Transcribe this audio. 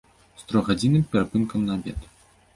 З трохгадзінным перапынкам на абед.